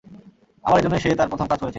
আমার জন্যই সে তার প্রথম কাজ করেছিল।